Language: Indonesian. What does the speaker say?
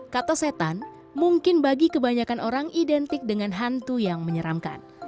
kata setan mungkin bagi kebanyakan orang identik dengan hantu yang menyeramkan